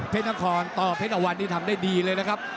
เพชรทางคลต่อเพชรอวันที่ทำได้ดีเลยนะครับ